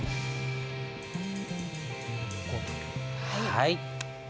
はい。